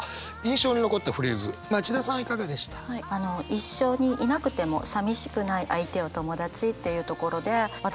一緒にいなくてもさみしくない相手を友達っていうところで私